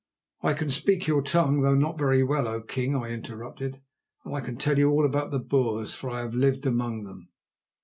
"I can speak your tongue, though not very well, O king," I interrupted, "and I can tell you all about the Boers, for I have lived among them."